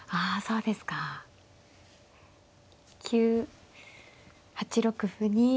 あそうですか。８六歩に。